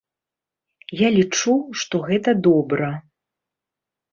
Я лічу, што гэта добра.